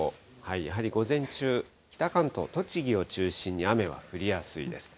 やはり午前中、北関東、栃木を中心に雨は降りやすいです。